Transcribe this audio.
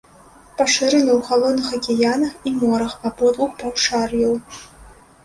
Пашыраны ў халодных акіянах і морах абодвух паўшар'яў.